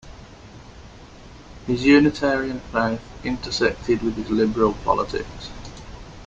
His Unitarian faith intersected with his Liberal politics.